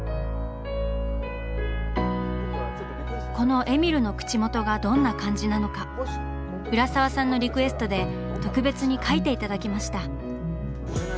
このえみるの口元がどんな感じなのか浦沢さんのリクエストで特別に描いていただきました。